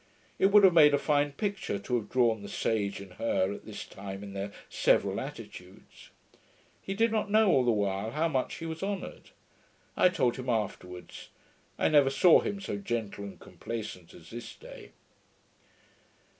It would have made a fine picture to have drawn the Sage and her at this time in their several attitudes. He did not know, all the while, how much he was honoured. I told him afterwards. I never saw him so gentle and complaisant as this day.